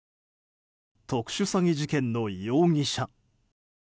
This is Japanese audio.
特殊詐欺事件の容疑者。